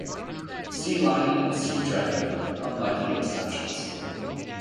"Sealion" and "Seadragon" were the unlucky exceptions.